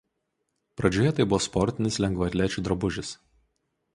Pradžioje tai buvo sportinis lengvaatlečių drabužis.